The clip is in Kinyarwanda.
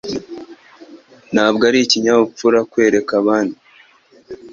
Ntabwo ari ikinyabupfura kwereka abandi.